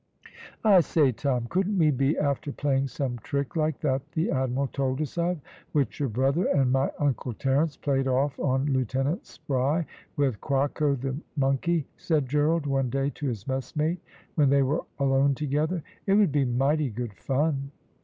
"I say, Tom, couldn't we be after playing some trick like that the admiral told us of, which your brother and my uncle Terence played off on Lieutenant Spry, with Quaco, the monkey," said Gerald, one day to his messmate, when they were alone together; "it would be mighty good fun."